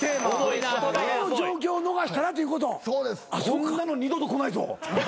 こんなの二度と来ないぞ。